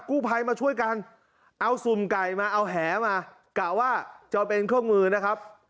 กู้ภัยมาช่วยกันเอาสุ่มไก่มาเอาแหมากะว่าจะเป็นเครื่องมือนะครับ